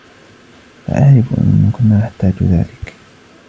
لا أعرف إن كنا نحتاج ذلك.